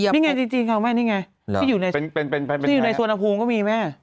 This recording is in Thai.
นี่ไงจริงนี่ไงที่อยู่ในสวนภูมิก็มีแม่